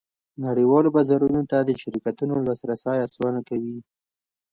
نړیوالو بازارونو ته د شرکتونو لاسرسی اسانه کوي